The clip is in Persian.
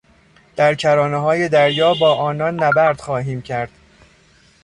در کرانههای دریا با آنان نبرد خواهیم کرد.